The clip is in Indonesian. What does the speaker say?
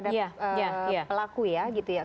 efeknya terhadap pelaku ya